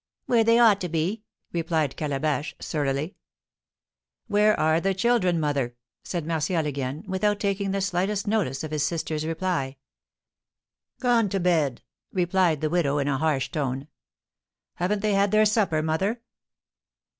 "Where they ought to be," replied Calabash, surlily. "Where are the children, mother?" said Martial again, without taking the slightest notice of his sister's reply. "Gone to bed," replied the widow, in a harsh tone. "Haven't they had their supper, mother?"